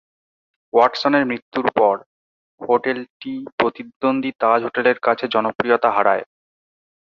ওয়াটসনের মৃত্যুর পর, হোটেলটি প্রতিদ্বন্দ্বী তাজ হোটেলের কাছে এর জনপ্রিয়তা হারায়।